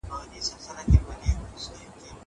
زه به سبا کتابونه ليکم!!